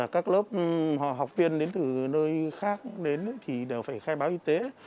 các lớp học viên đến từ nơi khác cũng đến thì đều phải khai báo y tế